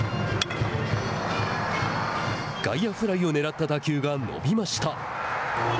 外野フライをねらった打球が伸びました。